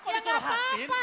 ya gak apa apa